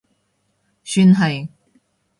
算係